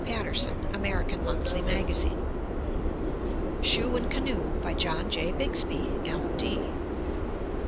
Patterson, American Monthly Magazine; Shoe and Canoe, by John J. Bigs by, M. D.